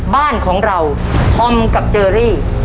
บ้านของเราธอมกับเจอรี่